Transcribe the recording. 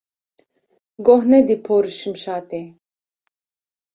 Goh nedî por û şimşatê.